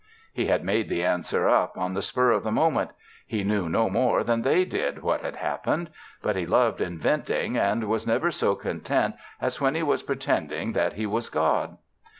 He had made the answer up on the spur of the moment; he knew no more than they did what had happened. But he loved inventing and was never so content as when he was pretending that he was God.